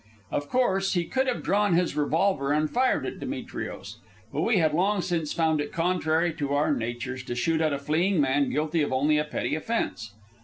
Of course, he could have drawn his revolver and fired at Demetrios; but we had long since found it contrary to our natures to shoot at a fleeing man guilty of only a petty offence.